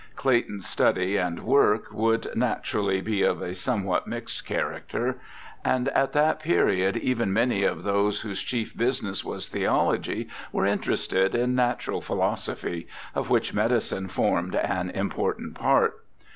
Clayton's studies and work would naturally be ol a somewhat mixed character, and at that period even many of those whose chief business was theology were interested in natural philosoph}^ of which medicine formed an important part.